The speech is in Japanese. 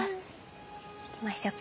行きましょうか。